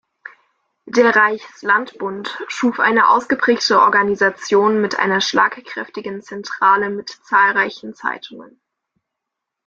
Der Reichs-Landbund schuf eine ausgeprägte Organisation mit einer schlagkräftigen Zentrale mit zahlreichen Zeitungen.